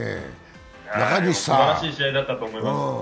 すばらしい試合だったと思います。